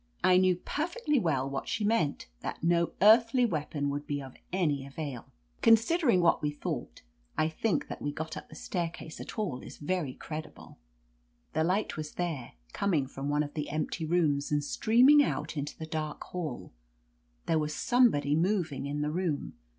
I knew perfectly well what she meant : that no earthly weapon would be of any avail. Considering what we thought, I think that we got up the staircase at all is very cred itable. The light was there, coming from one of the empty rooms, and streaming out into the dark hall. There was somebody moving in the room.